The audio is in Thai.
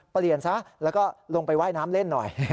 เปลี่ยนซะแล้วก็ลงไปว่ายน้ำเล่นหน่อย